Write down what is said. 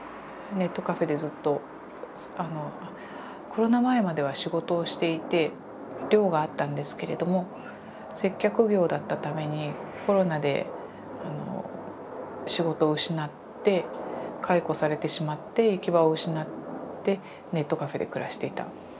コロナ前までは仕事をしていて寮があったんですけれども接客業だったためにコロナで仕事を失って解雇されてしまって行き場を失ってネットカフェで暮らしていた。